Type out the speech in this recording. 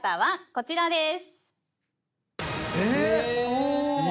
こちらです。